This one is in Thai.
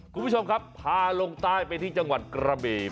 คุณผู้ชมครับพาลงใต้ไปที่จังหวัดกระบี